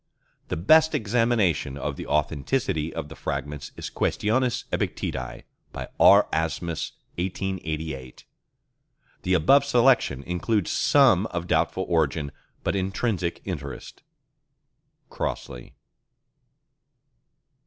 The best examination of the authenticity of the Fragments is Quaestiones Epicteteæ, by R. Asmus, 1888. The above selection includes some of doubtful origin but intrinsic interest.—Crossley.